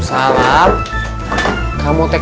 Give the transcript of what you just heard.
tapi langsung ketemu